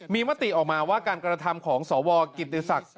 มีมติออกมาว่าการกระทำของสวกิติศักดิ์